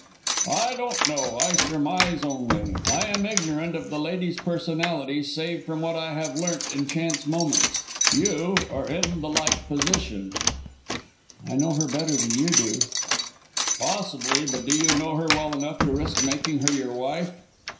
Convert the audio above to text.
"I don't know; I surmise only. I am ignorant of the lady's personality, save from what I have learnt in chance moments. You are in the like position." "I know her better than you do." "Possibly. But do you know her well enough to risk making her your wife?"